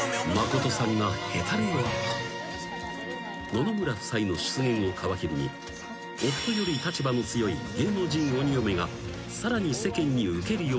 ［野々村夫妻の出現を皮切りに夫より立場の強い芸能人鬼嫁がさらに世間にウケるようになっていく］